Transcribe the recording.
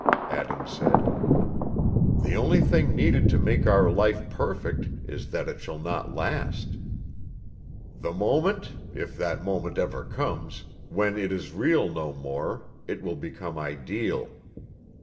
Adam said. "The only thing needed to make our life perfect is that it shall not last. The moment, if that moment ever comes, when it is real no more, it will become ideal."